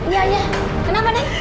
ya ya kenapa nek